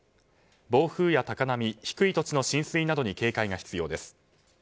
暴風や高波低い土地の浸水などに警戒が必要です。